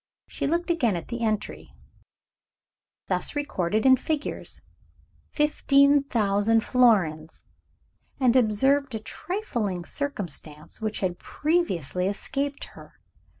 She looked again at the entry, thus recorded in figures "15,000 florins" and observed a trifling circumstance which had previously escaped her.